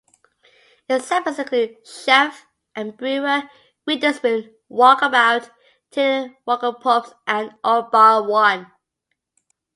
Examples include Chef and Brewer, Wetherspoons, Walkabout, Taylor Walker Pubs and All Bar One.